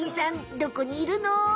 どこにいるの？